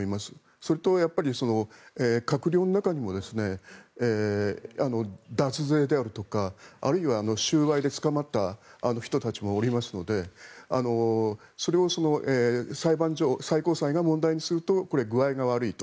それと、閣僚の中にも脱税であるとかあるいは収賄で捕まった人たちもおりますのでそれを、最高裁が問題にするとこれは具合が悪いと。